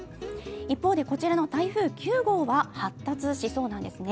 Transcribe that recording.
一方でこちらの台風９号は発達しそうなんですね。